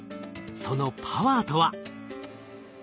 そのパワーとは？